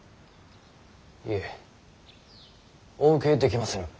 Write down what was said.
いいえお受けできませぬ。